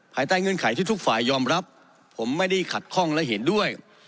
ภายใต้เงื่อนไขที่ทุกฝ่ายยอมรับผมไม่ได้ขัดข้องและเห็นด้วย